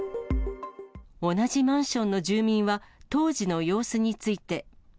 同じマンションの住民は、当時の様子について。